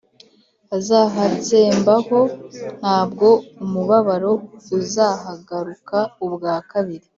Azahatsembaho ntabwo umubabaro uzahagaruka ubwa kabiri